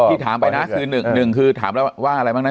ที่ถามไปนะคือหนึ่งคือถามแล้วว่าอะไรบ้างนะ